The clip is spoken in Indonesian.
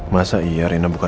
masa iya rina berbicara